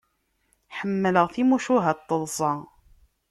Ḥemmleɣ timucuha n taḍsa.